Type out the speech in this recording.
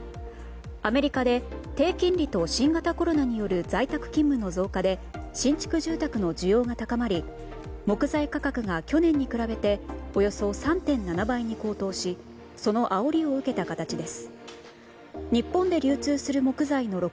アメリカで低金利と新型コロナによる在宅勤務の増加で新築住宅の需要が高まり木材価格が去年に比べておよそ３．７倍に高騰しそのあおりを受けた形です。